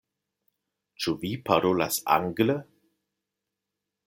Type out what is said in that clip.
Ĉu vi parolas angle?